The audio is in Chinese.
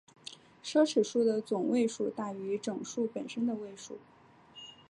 奢侈数的总位数大于整数本身的位数。